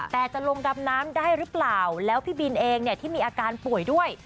แต่จะลงดำน้ำได้หรือเปล่าแล้วพี่บินเองเนี่ยที่มีอาการป่วยด้วย